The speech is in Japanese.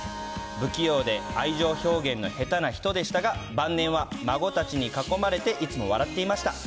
不器用で愛情表現の下手な人でしたが、晩年は孫たちに囲まれて、いつも笑っていました。